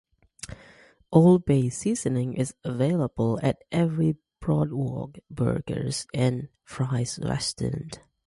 Old Bay Seasoning is available at every Boardwalk Burgers and Fries restaurant.